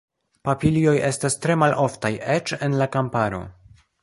Papilioj estas tre maloftaj, eĉ en la kamparo.